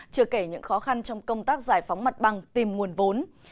chưa kể những khó khăn trong công tác giải phóng mặt bằng tìm nguồn vốn